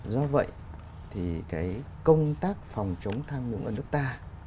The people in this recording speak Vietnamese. do vậy thì cái công tác phòng chống tham nhũng ở nước ta